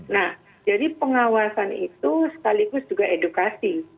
nah jadi pengawasan itu sekaligus juga edukasi